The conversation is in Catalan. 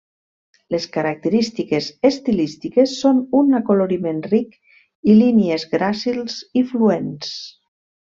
Les característiques estilístiques són un acoloriment ric i línies gràcils i fluents.